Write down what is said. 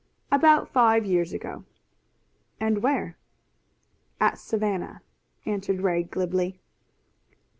"About five years ago." "And where?" "At Savannah," answered Ray glibly.